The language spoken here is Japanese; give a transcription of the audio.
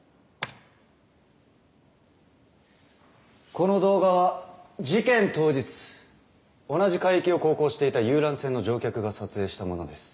この動画は事件当日同じ海域を航行していた遊覧船の乗客が撮影したものです。